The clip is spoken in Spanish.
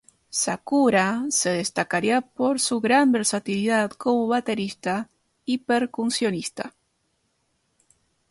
Sakura se destacaría por su gran versatilidad como baterista y percusionista.